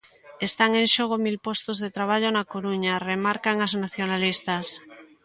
Están en xogo mil postos de traballo na Coruña, remarcan as nacionalistas.